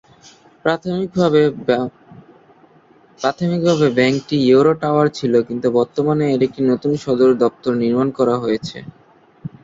প্রাথমিকভাবে ব্যাংকটি Euro Tower ছিল কিন্তু বর্তমানে এর একটি নতুন সদর দপ্তর নির্মাণ করা হয়েছে।